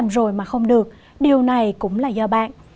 rồi mà không được điều này cũng là do bạn